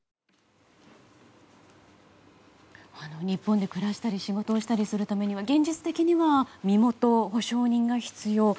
日本で暮らしたり仕事をしたりするためには現実的には身元保証人が必要。